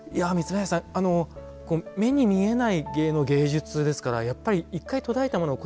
三林さん目に見えない芸能、芸術ですからやっぱり１回途絶えたもの